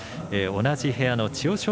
同じ部屋の千代翔